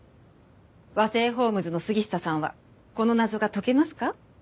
和製ホームズの杉下さんはこの謎が解けますか？